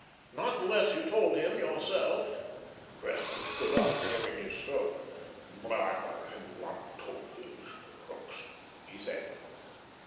"Not unless you told him yourself." Cressler stood up, clearing his throat. "I have not told him, Mr. Crookes," he said.